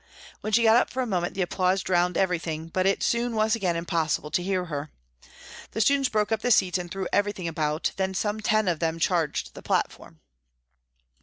When she got up for a moment the applause drowned everything, but it soon was again impos sible to hear her. The students broke up the seats and threw everything about. Then some ten of them charged the platform.